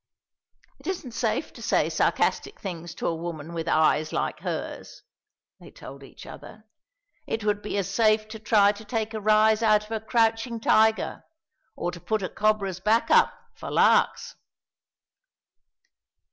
"It isn't safe to say sarcastic things to a woman with eyes like hers," they told each other. "It would be as safe to try to take a rise out of a crouching tiger, or to put a cobra's back up, for larks."